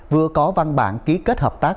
vừa có văn bản ký kết hợp tác